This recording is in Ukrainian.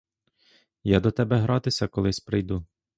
Я до тебе гратися колись прийду.